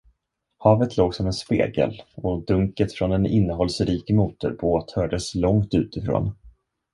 Havet låg som en spegel och dunket från en innehållsrik motorbåt hördes långt utifrån.